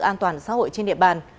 an toàn xã hội trên địa bàn